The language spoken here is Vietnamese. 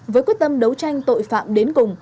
với quyết tâm đấu tranh tội phạm đến cùng